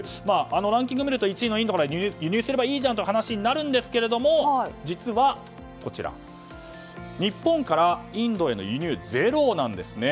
ランキングを見ると１位のインドから輸入すればいいじゃんという話になるんですが実は、日本からインドへの輸入はゼロなんですね。